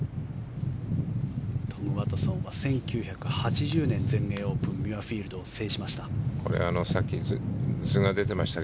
トム・ワトソンは１９８０年全英オープンミュアフィールドを制しました。